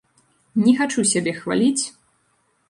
Не хачу сябе хваліць!